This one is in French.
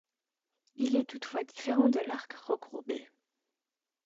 Il est toutefois différent de l'arc recourbé.